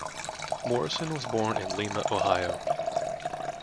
Morrison was born in Lima, Ohio.